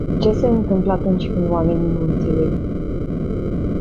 Ce se întâmplă atunci când oamenii nu înțeleg?